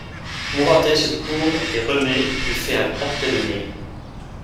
Mouratet se tourne et Renée lui fait un grand pied de nez.